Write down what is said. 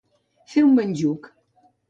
Fer un menjuc.